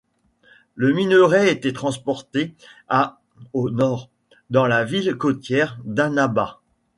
Le minerai était transporté à au nord, dans la ville côtière d'Annaba.